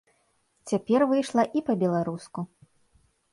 Цяпер выйшла і па-беларуску.